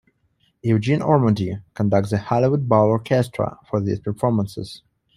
Eugene Ormandy conducts The Hollywood Bowl Orchestra for these performances.